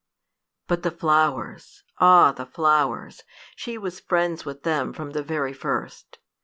But the flowers! ah, the flowers! she was friends with them from the very first.